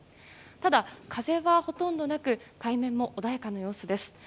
ただ、風はほとんどなく海面も穏やかな様子です。